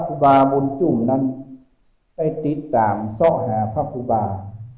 ครูบามุญชุมนั้นได้ติดตามโซฮาขาครูบา